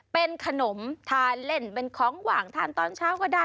เป็นขนมทานเล่นเป็นของหว่างทานตอนเช้าก็ได้